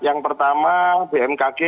yang pertama bmkg